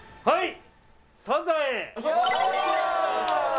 はい。